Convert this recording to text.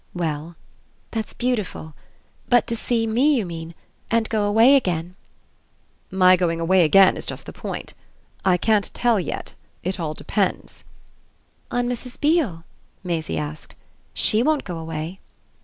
"Well, that's beautiful. But to see me, you mean, and go away again?" "My going away again is just the point. I can't tell yet it all depends." "On Mrs. Beale?" Maisie asked. "SHE won't go away."